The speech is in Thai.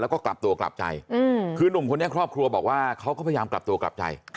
แล้วก็กลับตัวกลับใจคือนุ่มคนนี้ครอบครัวบอกว่าเขาก็พยายามกลับตัวกลับใจ